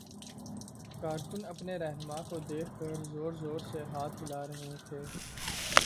کارکن اپنے راہنما کو دیکھ کر زور زور سے ہاتھ ہلا رہے تھے